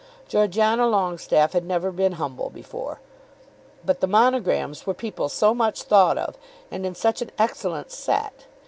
Georgiana Longestaffe had never been humble before; but the Monograms were people so much thought of and in such an excellent set!